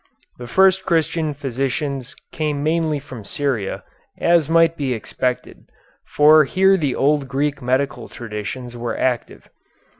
The first Christian physicians came mainly from Syria, as might be expected, for here the old Greek medical traditions were active.